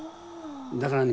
だからね